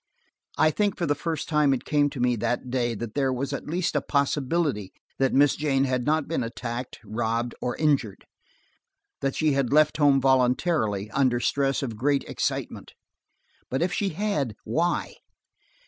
I think for the first time it came to me, that day, that there was at least a possibility that Miss Jane had not been attacked, robbed or injured: that she had left home voluntarily, under stress of great excitement. But if she had, why?